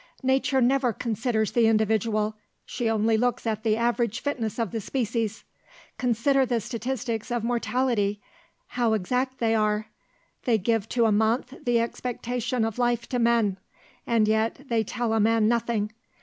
"Nature never considers the individual; she only looks at the average fitness of the species. Consider the statistics of mortality. How exact they are: they give to a month the expectation of life to men; and yet they tell a man nothing.